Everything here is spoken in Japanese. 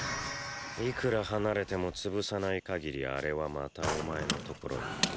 いくら離れても潰さない限りアレはまたお前の所に来る。